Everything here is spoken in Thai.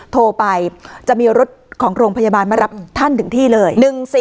โทรไปจะมีรถของโรงพยาบาลมารับท่านถึงที่เลย